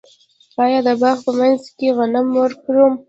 آیا د باغ په منځ کې غنم وکرم؟